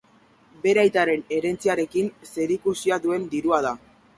Bere aitaren herentziarekin zerikusia duen dirua da.